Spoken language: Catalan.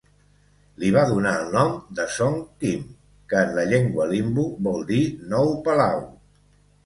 Li va donar el nom de "Song Khim", que en la llengua limbu vol dir "nou palau".